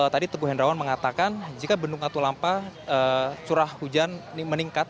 tadi teguh hendrawan mengatakan jika bendung katulampa curah hujan meningkat